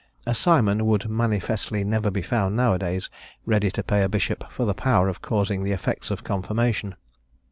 A Simon would manifestly never be found nowadays ready to pay a Bishop for the power of causing the effects of Confirmation.